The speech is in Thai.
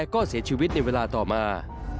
ก็เสียชีวิตในเวลาต่อมา